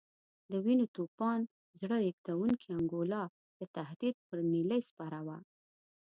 د وینو د توپان زړه رېږدونکې انګولا د تهدید پر نیلۍ سپره وه.